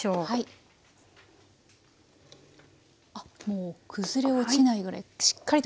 あっもう崩れ落ちないぐらいしっかりと固まりました。